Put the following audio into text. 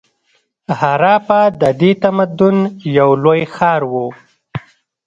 هراپا د دې تمدن یو لوی ښار و.